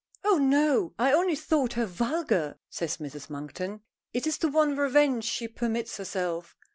"Oh no. I only thought her vulgar," says Mrs. Monkton. It is the one revenge she permits herself.